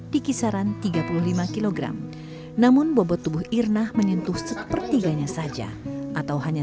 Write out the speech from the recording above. di kisaran tiga puluh lima kg namun bobot tubuh irna menyentuh sepertiganya saja atau hanya